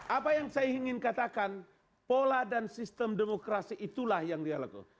apa yang saya ingin katakan pola dan sistem demokrasi itulah yang dia lakukan